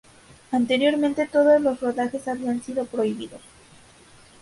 Anteriormente todos los rodajes habían sido prohibidos.